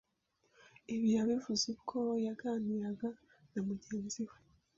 ibi yabivuze ubwo yaganiraga na mugenzi we